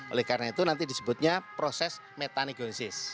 oleh karena itu nanti disebutnya proses metanigosis